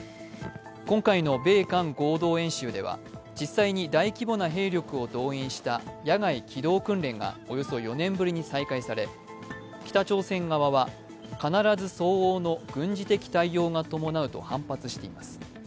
今回の米韓合同軍事演習では実際に大規模な兵力を動員した野外機動訓練がおよそ４年ぶりに再開され北朝鮮側は必ず相応の軍事的対応が伴うと反発しています。